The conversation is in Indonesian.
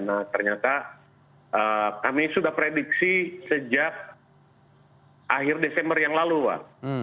nah ternyata kami sudah prediksi sejak akhir desember yang lalu pak